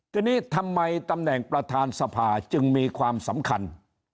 ทีนี้ทำไมตำแหน่งประธานสภาจึงมีความสำคัญ